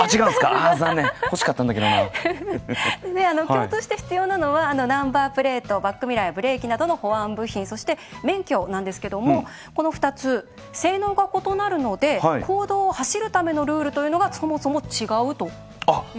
共通して必要なのはナンバープレートバックミラーやブレーキなどの保安部品そして免許なんですけどもこの２つ性能が異なるので公道を走るためのルールというのがそもそも違うということなんです。